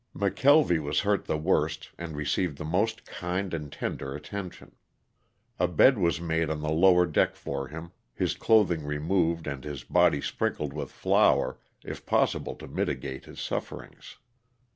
McKelvy was hurt the worst and received the most kind and tender attention. A bed was made on the lower deck for him, his clothing removed and his body sprinkled with flour, if possible to mitigate his sufferings.